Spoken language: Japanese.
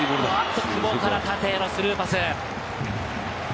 久保から縦へのスルーパス。